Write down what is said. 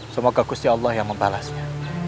semoga bagusnya allah yang membalasnya